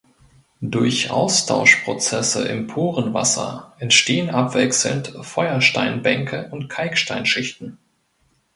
Durch Austauschprozesse im Poorenwasser entstehen abwechselnd Feuersteinbänke und Kalksteinschichten.